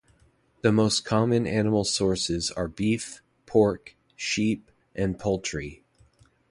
The most common animal sources are beef, pork, sheep, and poultry.